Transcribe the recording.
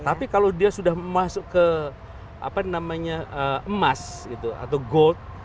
tapi kalau dia sudah masuk ke emas atau gold